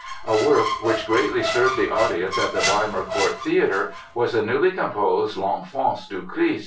A work which greatly stirred the audience at the Weimar Court Theatre was the newly composed "L'Enfance du Christ".